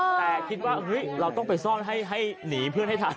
แต่คิดว่าเราต้องไปซ่อนให้หนีเพื่อนให้ทัน